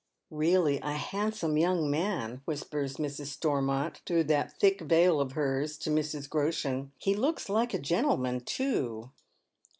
" Really, a handsome young man," whispers Mrs. Storm.ont through that thick veil of hers to Mrs. Groshen. " He looks like a gentleman, too."